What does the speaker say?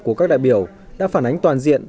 của các đại biểu đã phản ánh toàn diện